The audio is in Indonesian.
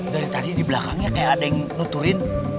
dari tadi di belakangnya kayak ada yang nuturin